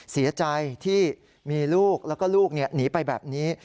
เสียใจที่มีลูกแล้วก็ลูกหนีไปแบบนี้